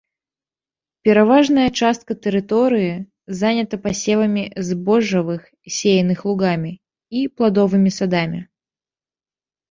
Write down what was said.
Пераважная частка тэрыторыі занята пасевамі збожжавых, сеяных лугамі і пладовымі садамі.